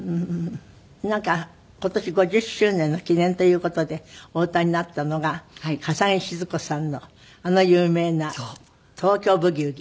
なんか今年５０周年の記念という事でお歌いになったのが笠置シヅ子さんのあの有名な『東京ブギウギ』。